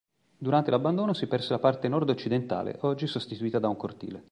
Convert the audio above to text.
Durante l'abbandono si perse la parte nord-occidentale, oggi sostituita da un cortile.